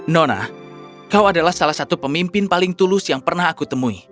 nona kau adalah salah satu pemimpin paling tulus yang pernah aku temui